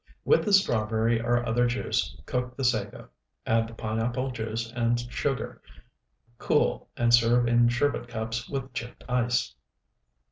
With the strawberry or other juice cook the sago; add the pineapple juice and sugar; cool, and serve in sherbet cups with chipped ice.